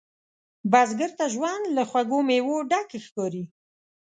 بزګر ته ژوند له خوږو میوو ډک ښکاري